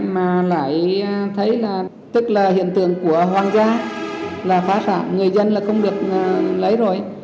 mà lại thấy là tức là hiện tượng của hoàng gia là phá sản người dân là không được lấy rồi